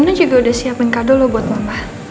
nenek juga udah siapin kado lo buat mama